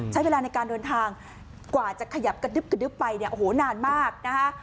ใช้เวลาในการเดินทางกว่าจะขยับกระดึ๊บกระดึ๊บไปเนี่ยโอ้โหนานมากนะคะ